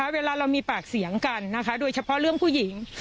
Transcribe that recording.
เวลาเรามีปากเสียงกันนะคะโดยเฉพาะเรื่องผู้หญิง